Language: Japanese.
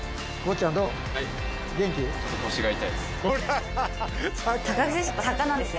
ちょっと腰が痛いです。